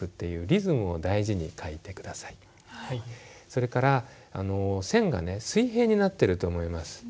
それから線が水平になってると思います。